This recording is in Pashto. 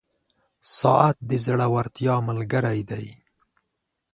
• ساعت د زړورتیا ملګری دی.